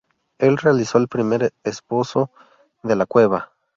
El realizó el primer esbozo de la cueva.